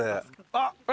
あっ！